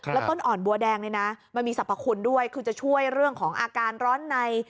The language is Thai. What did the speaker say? แล้วต้นอ่อนบัวแดงเนี่ยนะมันมีสรรพคุณด้วยคือจะช่วยเรื่องของอาการร้อนใน